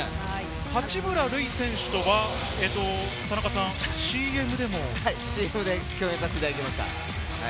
八村塁選手とは田中さん共演させていただきました。